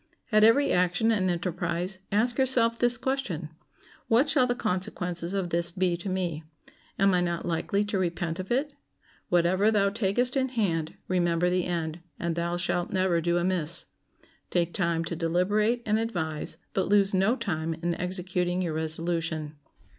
At every action and enterprise ask yourself this question: What shall the consequences of this be to me? Am I not likely to repent of it? Whatever thou takest in hand, remember the end, and thou shalt never do amiss. Take time to deliberate and advise, but lose no time in executing your resolution.